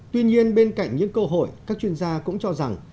tuy nhiên bên cạnh những cơ hội các chuyên gia cũng cho rằng